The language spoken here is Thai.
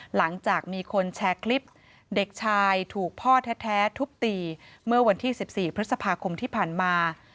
หลังจากมีคนแชร์คลิปเด็กชายถูกพ่อแท้ทุบตีเมื่อวันที่๑๔พฤษภาคมที่ผ่านมา